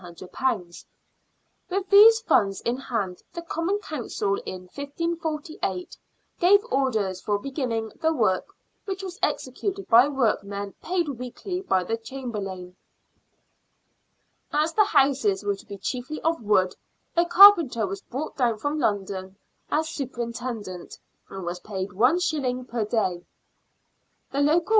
With these funds in hand, the Common Council, in 1548, gave orders for beginning the work, which was executed by workmen paid weekly by the Chamberlain. As the houses were to be chiefly of wood, a carpenter was brought down from London as super intendent, and was paid one shilling per day, the local HOUSES ERECTED BY CORPORATION.